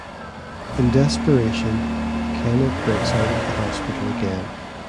In desperation, Kenet breaks out of the hospital again.